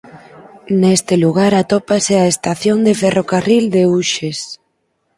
Neste lugar atópase a Estación de ferrocarril de Uxes.